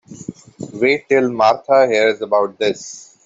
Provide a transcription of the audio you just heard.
Wait till Martha hears about this.